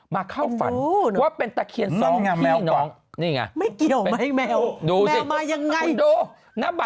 มาเข้าฟังเพราะว่าเป็นตะเคียน๑๒พี่น้อง